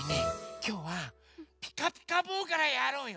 きょうは「ピカピカブ！」からやろうよ。